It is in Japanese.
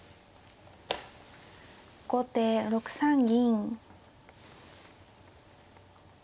後手６三銀。